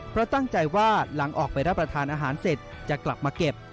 เพราะตั้งใจว่าหลังออกไปรับประทานอาหารเสร็จจะกลับมาเก็บ